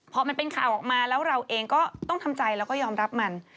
พอมันเป็นข่าวออกมาแล้วเราเองก็ต้องทำใจแล้วก็ยอมรับมัน